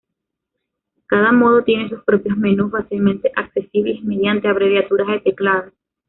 Cada modo tiene sus propios menús, fácilmente accesibles mediante abreviaturas de teclado.